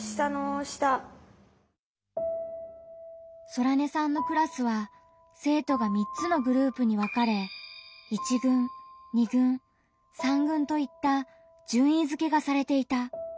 ソラネさんのクラスは生徒が３つのグループに分かれ１軍２軍３軍といった順位づけがされていた。